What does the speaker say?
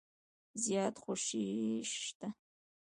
زیاته خوشي شته .